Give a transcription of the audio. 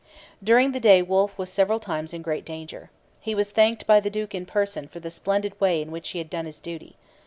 During the day Wolfe was several times in great danger. He was thanked by the duke in person for the splendid way in which he had done his duty.